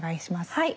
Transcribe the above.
はい。